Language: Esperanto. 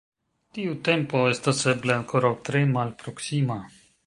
Tiu tempo estas eble ankoraŭ tre malproksima.